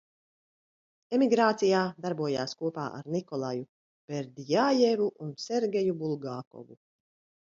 Emigrācijā darbojās kopā ar Nikolaju Berdjajevu un Sergeju Bulgakovu.